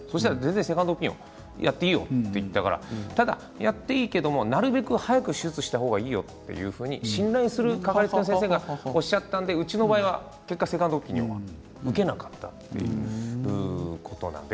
セカンドオピニオンにやっていいよと言われたからただやっていいけどなるべく早く手術した方がいいよというふうに信頼する掛かりつけの先生がおっしゃったのでうちの場合はセカンドオピニオンを受けなかったんです。